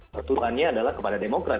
perturuhannya adalah kepada demokrat